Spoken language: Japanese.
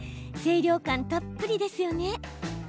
清涼感たっぷりですよね。